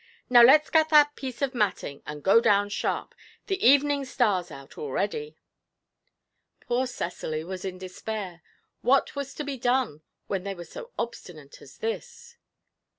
'Now let's get that piece of matting, and go down sharp the evening star's out already.' Poor Cecily was in despair; what was to be done when they were so obstinate as this?